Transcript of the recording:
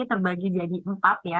terbagi jadi empat ya